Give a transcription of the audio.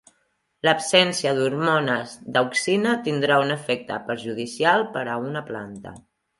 L'absència d'hormones d'auxina tindrà un efecte perjudicial per a una planta.